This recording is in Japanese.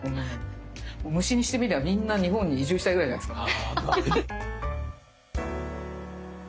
虫にしてみればみんな日本に移住したいぐらいじゃないですか。